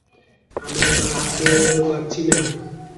আমার বাম হাতে জোর পাচ্ছি না।।